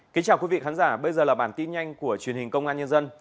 kính chào quý vị khán giả bây giờ là bản tin nhanh của truyền hình công an nhân dân